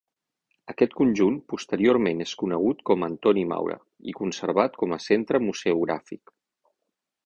Aquest conjunt posteriorment és conegut com a Antoni Maura, i conservat com a centre museogràfic.